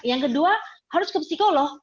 yang kedua harus ke psikolog